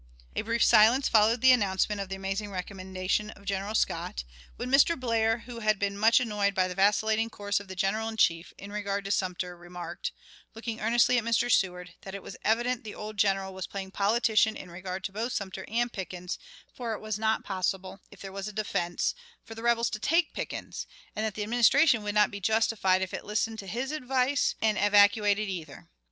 "A brief silence followed the announcement of the amazing recommendation of General Scott, when Mr. Blair, who had been much annoyed by the vacillating course of the General in Chief in regard to Sumter, remarked, looking earnestly at Mr. Seward, that it was evident the old General was playing politician in regard to both Sumter and Pickens; for it was not possible, if there was a defense, for the rebels to take Pickens; and the Administration would not be justified if it listened to his advice and evacuated either.